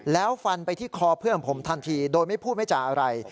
แล้วฟันไปที่คอเพื่อนของผมทันทีโดยไม่พูดไม่จ่าอะไร